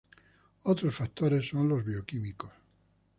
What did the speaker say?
Otros factores son los bioquímicos.